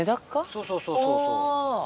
そうそうそうそうそう。